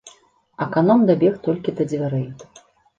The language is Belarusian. Аканом дабег толькі да дзвярэй.